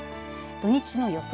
土日の予想